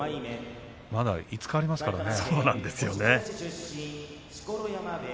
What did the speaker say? まだ５日ありますからね。